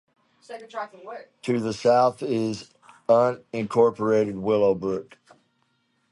To the south is unincorporated Willowbrook.